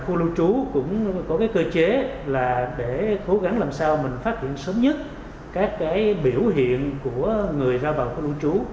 khu lưu trú cũng có cơ chế để cố gắng làm sao phát hiện sớm nhất các biểu hiện của người ra vào khu lưu trú